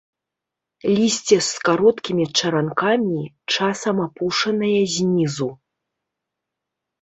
Лісце з кароткімі чаранкамі, часам апушанае знізу.